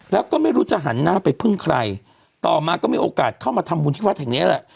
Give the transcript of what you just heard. แล้วก็ไม่รู้จะหันหน้าไปพึ่งใครต่อมาก็มีโอกาสเข้ามาทำบุญที่วัดแห่งเนี้ยแหละ